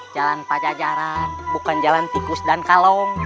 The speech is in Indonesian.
jalan pajajaran bukan jalan tikus dan kalong